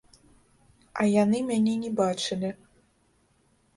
А яны мяне не бачылі.